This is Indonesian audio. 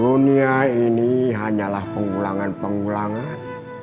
dunia ini hanyalah pengulangan pengulangan